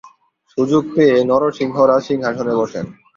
সুযোগ পেয়ে নরসিংহ রাজসিংহাসনে বসেন।